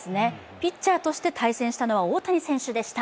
ピッチャーとして対戦したのは大谷選手でした。